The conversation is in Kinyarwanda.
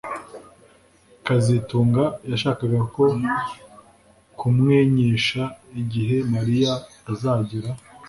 kazitunga yashakaga ko nkumenyesha igihe Mariya azagera